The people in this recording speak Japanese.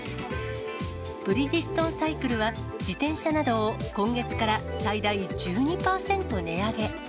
ブリヂストンサイクルは、自転車などを今月から最大１２％値上げ。